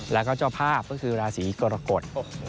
แล้วก็เจ้าภาพก็คือราศีกรกฎ